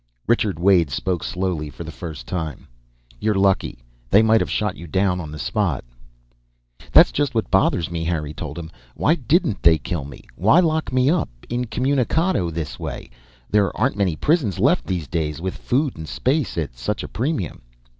Richard Wade spoke slowly, for the first time. "You're lucky. They might have shot you down on the spot." "That's just what bothers me," Harry told him. "Why didn't they kill me? Why lock me up incommunicado this way? There aren't many prisons left these days, with food and space at such a premium."